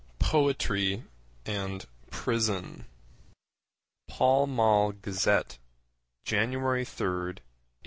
POETRY AND PRISON (Pall Mall Gazette, January 3, 1889.)